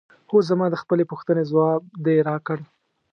هو زما د خپلې پوښتنې ځواب دې راکړ؟